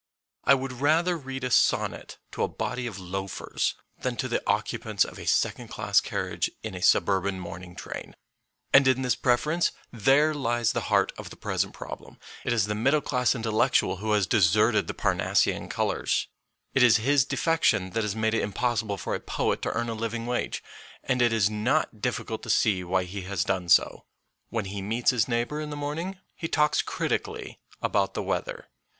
I would rather read a sonnet to a body of loafers than to the occupants of a second class carriage in a suburban morning train. 60 MONOLOGUES And in this preference there lies the heart of the present problem ; it is the middle class intellectual who has deserted the Par nassian colours, it is his defection that has made it impossible for a poet to earn a living wage, and it is not difficult to see why he has done so. When he meets his neighbour in the morning, he talks critically about the weather.